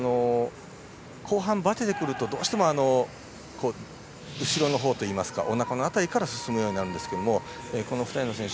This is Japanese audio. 後半、ばててくるとどうしても後ろのほうというかおなかの辺りから進むようになるんですがこの２人の選手